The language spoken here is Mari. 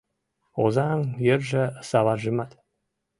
Озаҥ йырже саваржымат